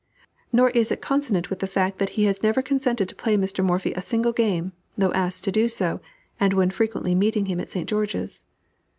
Nor is it consonant with the fact that he has never consented to play Mr. Morphy a single game, though asked to do so, and when frequently meeting him at St. George's.